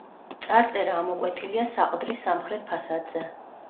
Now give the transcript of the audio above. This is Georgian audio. წარწერა ამოკვეთილია საყდრის სამხრეთ ფასადზე.